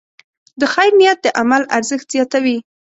د خیر نیت د عمل ارزښت زیاتوي.